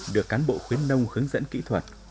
được cán bộ khuyến nông hướng dẫn kỹ thuật